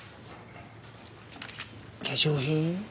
化粧品？